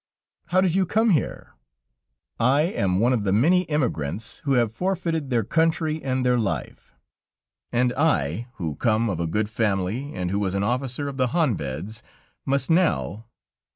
"How did you come here?" "I am one of the many emigrants who have forfeited their country and their life; and I, who come of a good family, and who was an officer of the Honveds, must now